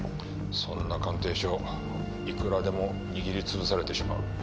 そんな鑑定書いくらでも握りつぶされてしまう。